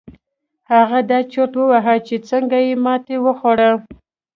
هغه دا چورت واهه چې څنګه يې ماتې وخوړه.